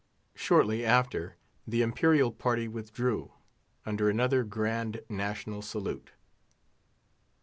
Shortly after, the Imperial party withdrew, under another grand national salute.